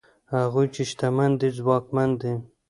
هغوی چې شتمن دي ځواکمن دي؛